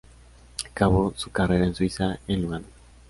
Acabó su carrera en Suiza, en Lugano.